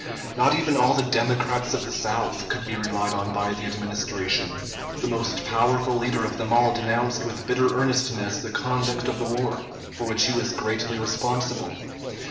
Not even all the Democrats of the South could be relied on by the Administration. The most powerful leader of them all denounced with bitter earnestness the conduct of the war, for which he was greatly responsible.